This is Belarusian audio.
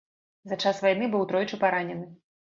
За час вайны быў тройчы паранены.